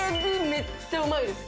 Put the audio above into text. めっちゃうまいです。